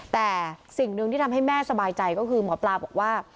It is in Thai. แต่สิ่งหนึ่งที่ทำให้แม่สบายใจก็คือหมอปลาบอกว่า